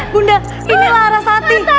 bunda inilah arasati